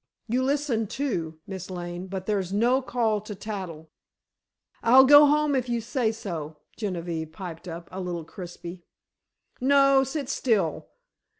You listen, too, Miss Lane, but there's no call to tattle." "I'll go home if you say so," Genevieve piped up, a little crisply. "No, sit still.